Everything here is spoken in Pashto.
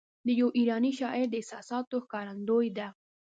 د یوه ایراني شاعر د احساساتو ښکارندوی ده.